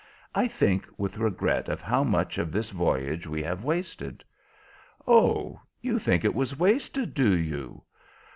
I think with regret of how much of this voyage we have wasted." "Oh, you think it was wasted, do you?"